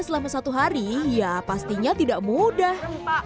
selama satu hari ya pastinya tidak mudah